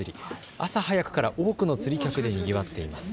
朝早くから多くの釣り客でにぎわっています。